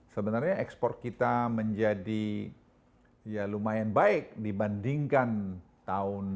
sebenarnya ekspor kita menjadi ya lumayan baik dibandingkan tahun dua ribu delapan dua ribu sembilan